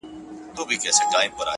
دا ځلي غواړم لېونی سم د هغې مینه کي _